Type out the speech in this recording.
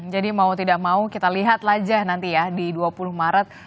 jadi mau tidak mau kita lihat saja nanti ya di dua puluh maret